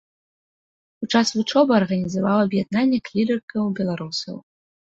У час вучобы арганізаваў аб'яднанне клірыкаў-беларусаў.